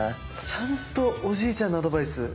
ちゃんとおじいちゃんのアドバイス。